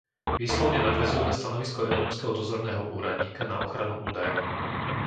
Výslovne nadväzujú na stanovisko Európskeho dozorného úradníka na ochranu údajov.